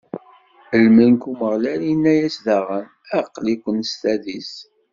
Lmelk n Umeɣlal inna-as daɣen: Aql-ikem s tadist.